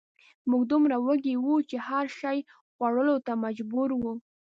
موږ دومره وږي وو چې هر شي خوړلو ته مجبور وو